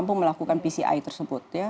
mampu melakukan pci tersebut